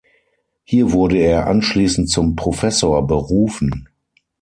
Hier wurde er anschließend zum Professor berufen.